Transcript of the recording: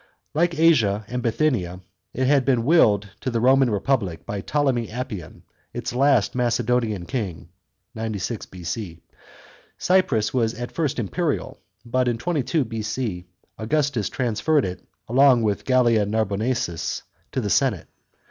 vn. Like Asia and Bithynia, it had been willed to the Roman republic by Ptolemy Apion, its last Macedonian king (96 B.C.). Cyprus was fit first imperial, but in 22 B.C. Augustus transferred it, along with Gallia Narbonensis, to the senate.